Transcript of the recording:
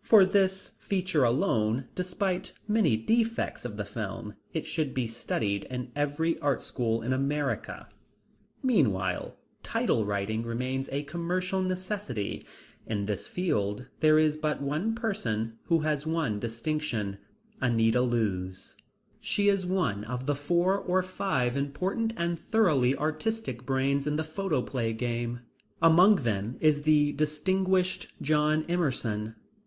For this feature alone, despite many defects of the film, it should be studied in every art school in America. Meanwhile "Title writing" remains a commercial necessity. In this field there is but one person who has won distinction Anita Loos. She is one of the four or five important and thoroughly artistic brains in the photoplay game. Among them is the distinguished John Emerson.